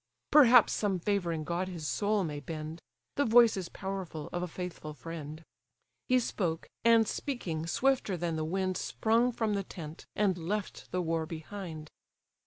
Perhaps some favouring god his soul may bend; The voice is powerful of a faithful friend." He spoke; and, speaking, swifter than the wind Sprung from the tent, and left the war behind.